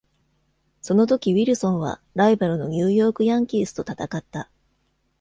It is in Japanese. その時ウィルソンは、ライバルのニューヨークヤンキースと戦った。